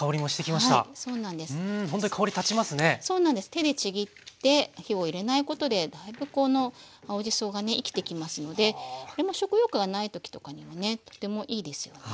手でちぎって火を入れないことでだいぶこの青じそがね生きてきますので食欲がない時とかにはねとてもいいですよね。